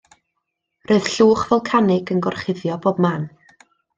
Roedd llwch folcanig yn gorchuddio pob man.